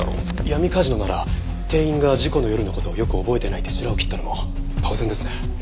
闇カジノなら店員が事故の夜の事をよく覚えてないってしらを切ったのも当然ですね。